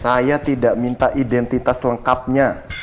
saya tidak minta identitas lengkapnya